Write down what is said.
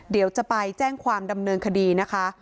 เดี๋ยวจะไปแจ้งความดำเนินคดีนะคะ